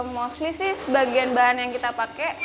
mostly sih sebagian bahan yang kita pakai